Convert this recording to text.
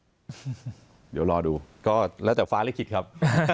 เดี๋ยวรอดูก็แล้วแต่ฟ้าลิขิตครับ